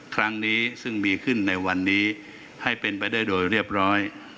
ครั้งนี้ซึ่งมีขึ้นในวันนี้ให้เป็นไปได้โดยเรียบร้อย